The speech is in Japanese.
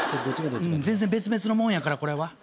全然別々のもんやからこれは。